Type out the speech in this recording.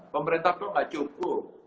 pemerintah kok gak cukup